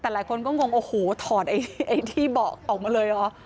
แต่หลายคนก็งงโอ้โหถอดไอ้ที่เบาะออกมาเลยเหรอ